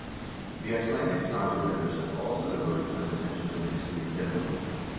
The Icelandic saga writers have also devoted some attention to the history of Denmark.